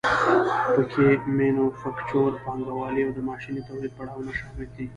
پکې مینوفکچور پانګوالي او د ماشیني تولید پړاوونه شامل دي